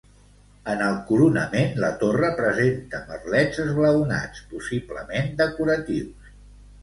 En el coronament, la torre presenta merlets esglaonats, possiblement decoratius.